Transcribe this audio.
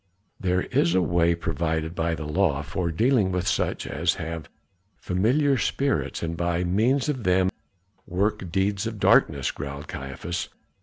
"There is a way provided by the law for dealing with such as have familiar spirits and by means of them work deeds of darkness," growled Caiaphas.